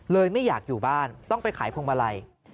ไม่อยากอยู่บ้านต้องไปขายพวงมาลัย